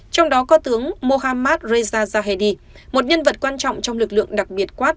trong đó có tướng mohammad reza zahedi một nhân vật quan trọng trong lực lượng đặc biệt quát